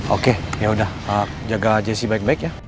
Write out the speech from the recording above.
oke ya udah jaga jessi baik baik ya